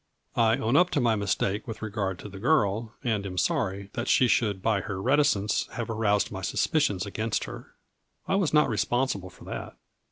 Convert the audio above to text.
I own up to my mistake with regard to the girl, and am sorry that she should by her reticence have aroused my suspicions against her. I was not responsible for that.